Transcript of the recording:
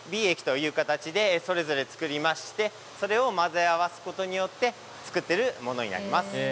Ｂ液という形でそれぞれ作りましてそれを混ぜ合わす事によって作っているものになります。